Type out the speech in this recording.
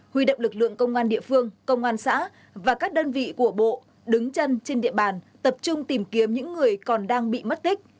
huy động lực lượng công an địa phương công an xã và các đơn vị của bộ đứng chân trên địa bàn tập trung tìm kiếm những người còn đang bị mất tích